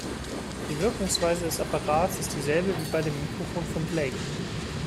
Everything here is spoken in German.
Die Wirkungsweise des Apparats ist dieselbe wie bei dem Mikrophon von Blake.